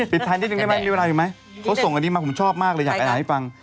ทานนิดนึงได้ไหมมีเวลาอยู่ไหมเขาส่งอันนี้มาผมชอบมากเลยอยากไปอ่านให้ฟัง